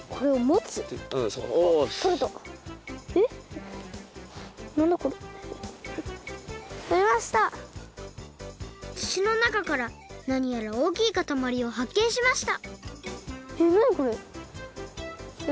つちのなかからなにやらおおきいかたまりをはっけんしましたえっ